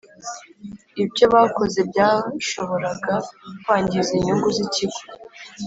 Ibyo bakoze byashoboraga kwangiza inyungu z’ ikigo